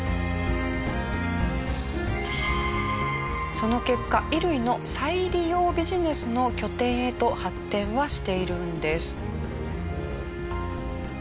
その結果衣類の再利用ビジネスの拠点へと発展はしているんです。